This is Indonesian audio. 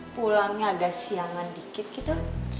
pulangnya agak siangan dikit gitu